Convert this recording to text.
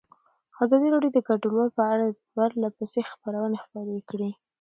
ازادي راډیو د کډوال په اړه پرله پسې خبرونه خپاره کړي.